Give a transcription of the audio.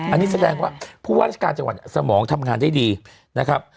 อันนี้แสดงว่าผู้ว่าราชการจังหวัดสมองทำงานได้ดีนะครับ